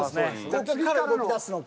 こっから動きだすのか。